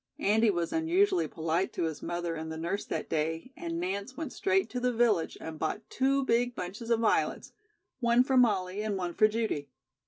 Andy was unusually polite to his mother and the nurse that day, and Nance went straight to the village and bought two big bunches of violets, one for Molly and one for Judy.